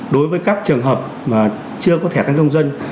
đối với các trường hợp mà chưa có thẻ căn cước công dân